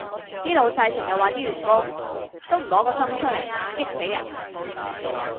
啲老細成日話啲員工：都唔挪個心出嚟，激死人